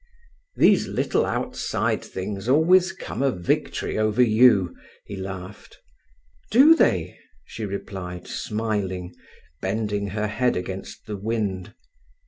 "These little outside things always come a victory over you," he laughed. "Do they?" she replied, smiling, bending her head against the wind.